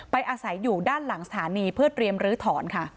อาศัยอยู่ด้านหลังสถานีเพื่อเตรียมลื้อถอนค่ะ